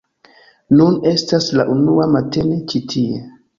Nun estas la unua matene ĉi tie